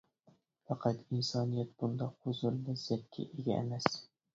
پەقەت ئىنسانىيەت بۇنداق ھۇزۇر-لەززەتكە ئىگە ئەمەس.